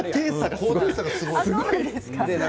高低差がすごいですよね。